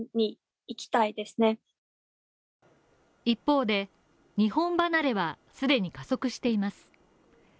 一方で日本離れは、すでに加速しています。